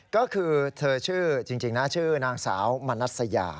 ก็คือเธอชื่อจริงนะชื่อนางสาวมนัสยา